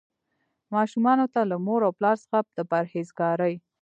ماشومانو ته له مور او پلار څخه د پرهیزګارۍ.